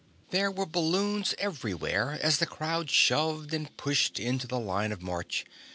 There were balloons everywhere, as the crowd shoved and pushed into the line of march.